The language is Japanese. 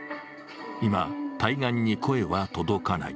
今、対岸に声は届かない。